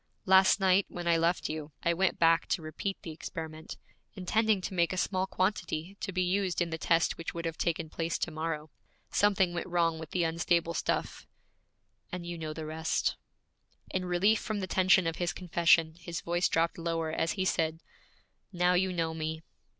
Last night, when I left you, I went back to repeat the experiment, intending to make a small quantity to be used in the test which would have taken place to morrow. Something went wrong with the unstable stuff, and you know the rest.' In relief from the tension of his confession, his voice dropped lower as he said, 'Now you know me!'